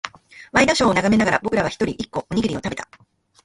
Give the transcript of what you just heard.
ワイドショーを眺めながら、僕らは一人、一個、おにぎりを食べた。